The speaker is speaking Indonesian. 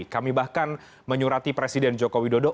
kami bahkan menyurati presiden joko widodo